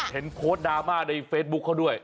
โพสต์ดราม่าในเฟซบุ๊คเขาด้วย